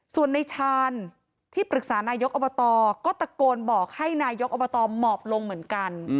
ส่วนในชาญที่ปรึกษานายกอบตก็ตะโกนบอกให้นายกอบตหมอบลงเหมือนกัน